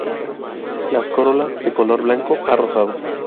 Las corolas de color blanco a rosado.